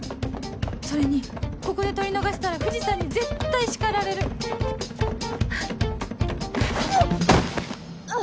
それにここで取り逃したら藤さんに絶対叱られる！うおっ！